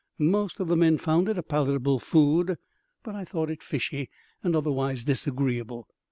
Most of the men found it a palatable food, but I thought it fishy and otherwise disagreeable.